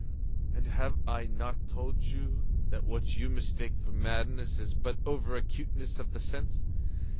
And have I not told you that what you mistake for madness is but over acuteness of the sense?